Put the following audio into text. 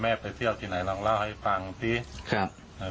ครับครับครับครับครับครับครับครับครับครับครับครับ